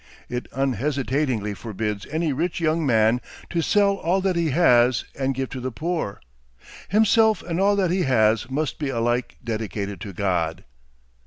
It unhesitatingly forbids any rich young man to sell all that he has and give to the poor. Himself and all that he has must be alike dedicated to God.